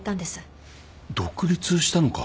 独立したのか。